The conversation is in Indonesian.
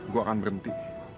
gue akan berhenti